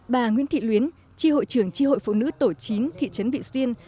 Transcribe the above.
bà nguyễn thị luyến tri hội trưởng tri hội phụ nữ tổ chín thị trấn vị xuyên